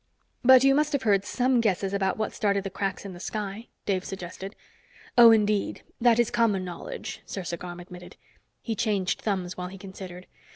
"But you must have heard some guesses about what started the cracks in the sky?" Dave suggested. "Oh, indeed, that is common knowledge," Sersa Garm admitted. He changed thumbs while he considered.